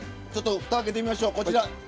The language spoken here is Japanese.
ちょっと蓋開けてみましょうこちら。